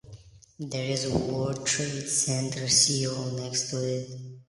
There is World Trade Center Seoul next to it.